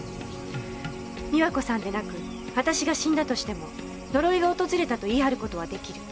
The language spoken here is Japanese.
美和子さんでなく私が死んだとしても呪いが訪れたと言い張る事は出来る。